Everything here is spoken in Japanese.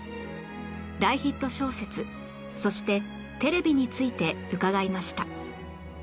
大ヒット小説そしてテレビについて伺いました